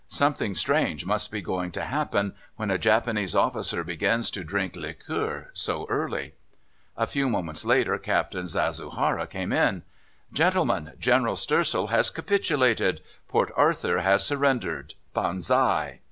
Something strange must be going to happen when a Japanese officer begins drinking liqueur so early! A few moments later Captain Zasuhara came in. "Gentlemen, General Stoessel has capitulated; Port Arthur has surrendered. Banzai!"